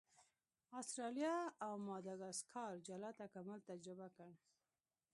استرالیا او ماداګاسکار جلا تکامل تجربه کړ.